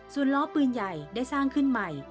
ส่วนล้อปืนใหญ่ได้สร้างขึ้นใหม่